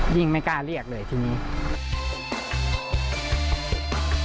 ไม่กล้าเรียกเลยทีนี้